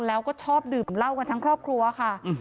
แล้วก็ชอบดื่มเหล้ากันทั้งครอบครัวค่ะ